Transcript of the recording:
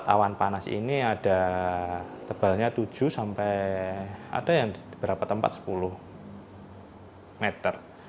empat awan panas ini ada tebalnya tujuh sampai sepuluh meter